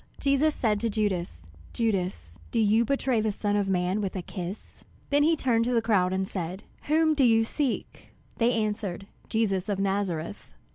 Jesus said to Judas, "Judas, do you betray the Son of man with a kiss?" Then he turned to the crowd, and said, "Whom do you seek?" They answered, "Jesus of Nazareth."